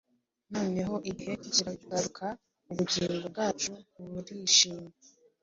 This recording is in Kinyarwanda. Noneho igihe kiragaruka: Ubugingo bwacu burishima,